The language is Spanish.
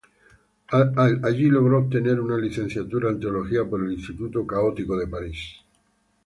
Allí logró obtener una Licenciatura en Teología por el Instituto Católico de París.